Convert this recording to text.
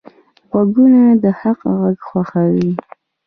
غوږونه د حق غږ خوښوي